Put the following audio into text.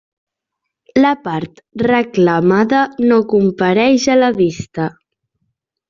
La part reclamada no compareix a la vista.